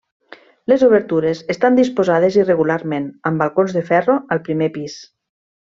Les obertures estan disposades irregularment, amb balcons de ferro al primer pis.